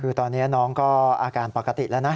คือตอนนี้น้องก็อาการปกติแล้วนะ